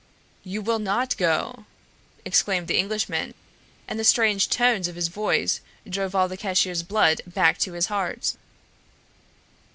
"You will not go!" exclaimed the Englishman, and the strange tones of his voice drove all the cashier's blood back to his heart.